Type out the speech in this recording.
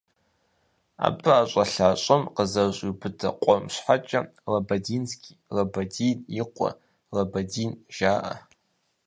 Абы ӀэщӀэлъа щӀым къызэщӀиубыдэ къуэм щхьэкӀэ «Лабадинский», «Лабадин и къуэ», «Лабадин» жаӀэ.